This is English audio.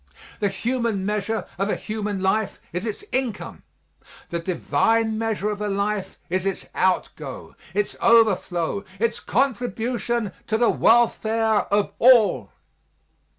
The human measure of a human life is its income; the divine measure of a life is its outgo, its overflow its contribution to the welfare of all.